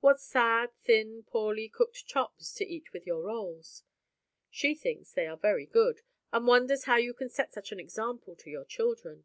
What sad, thin, poorly cooked chops, to eat with your rolls! She thinks they are very good, and wonders how you can set such an example to your children.